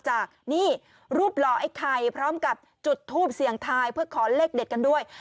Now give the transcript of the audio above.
จากนี่รูปหล่อไอ้ไข่พร้อมกับจุดทูปเสียงทายเพื่อขอเลขเด็ดกันด้วย